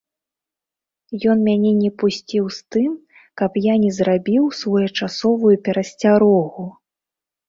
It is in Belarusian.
Ён мяне не пусціў з тым, каб я не зрабіў своечасовую перасцярогу.